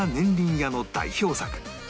家の代表作